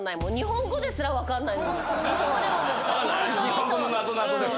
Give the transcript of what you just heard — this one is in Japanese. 日本語のなぞなぞでも？